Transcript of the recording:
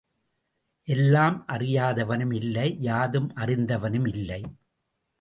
எல்லாம் அறியாதவனும் இல்லை யாதும் அறிந்தவனும் இல்லை.